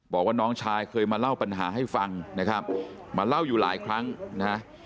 บอกว่าน้องชายเคยมาเล่าปัญหาให้ฟังนะครับมาเล่าอยู่หลายครั้งนะ